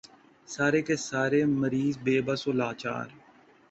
سارے کے سارے مریض بے بس و لاچار۔